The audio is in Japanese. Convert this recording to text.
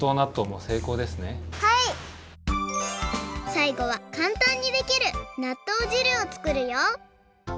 さいごはかんたんにできるなっとう汁を作るよ！